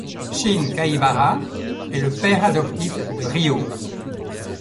Shin Kaibara est le père adoptif de Ryô.